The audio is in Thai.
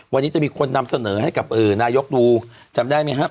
วันนี้จะมีคนนำเสนอให้กับนายกดูจำได้ไหมครับ